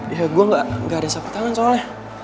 ya gue gak ada sapu tangan soalnya